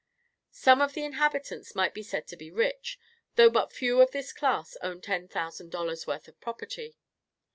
Some of the inhabitants might be said to be rich, though but few of this class own ten thousand dollars' worth of property.